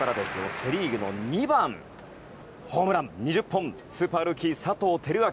セ・リーグの２番ホームラン２０本スーパールーキー、佐藤輝明。